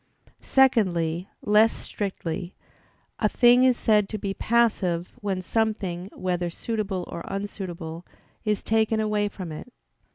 Secondly, less strictly, a thing is said to be passive, when something, whether suitable or unsuitable, is taken away from it.